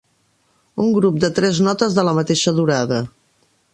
un grup de tres notes de la mateixa durada